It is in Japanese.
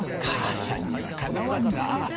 母さんにはかなわんな。